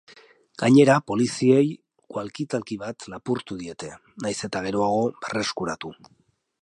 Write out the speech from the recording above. Gainera, poliziei walkie-talkie bat lapurtu diete, nahiz eta geroago berreskuratu.